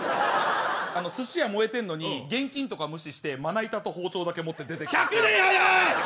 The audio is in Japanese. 寿司屋燃えてんのに現金とか無視して、まな板と包丁だけ持って出てく。